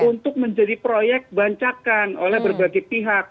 untuk menjadi proyek bancakan oleh berbagai pihak